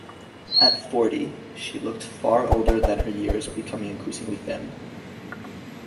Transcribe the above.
At forty, she looked far older than her years, becoming increasingly thin.